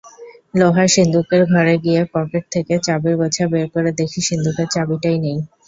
লোহার সিন্দুকের ঘরে গিয়ে পকেট থেকে চাবির গোছা বের করে দেখি সিন্দুকের চাবিটাই নেই।